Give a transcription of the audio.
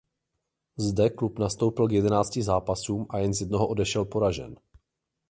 Zde klub nastoupil k jedenácti zápasům a jen z jednoho odešel poražen.